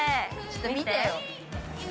◆ちょっと見てよ。